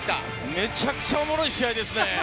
めちゃくちゃおもしろい試合ですね。